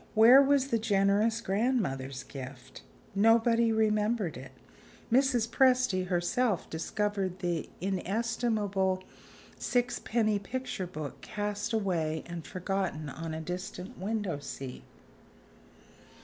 Where was the generous grandmother's gift? Nobody remembered it; Mrs. Presty herself discovered the inestimable sixpenny picture book cast away and forgotten on a distant window seat.